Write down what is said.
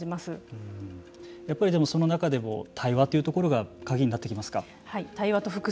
やっぱりその中でも対話というところが鍵になってきますか。